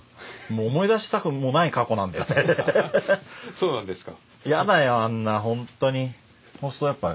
そうなんですか。